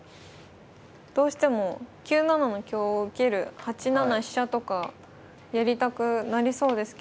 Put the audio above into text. どうしても９七の香を受ける８七飛車とかやりたくなりそうですけど。